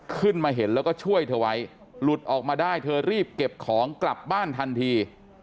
ขึ้นมาเห็นแล้วก็ช่วยเธอไว้หลุดออกมาได้เธอรีบเก็บของกลับบ้านทันที